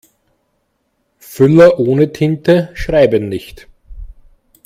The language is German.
Füller ohne Tinte schreiben nicht.